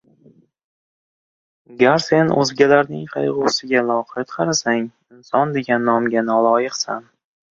Gar sen o‘zgalarning qayg‘usiga loqayd qarasang, inson degan nomga noloyiqsan.